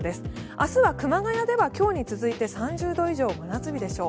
明日は熊谷では今日に続いて３０度以上、真夏日でしょう。